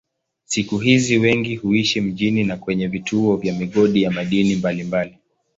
Siku hizi wengi huishi mjini na kwenye vituo vya migodi ya madini mbalimbali.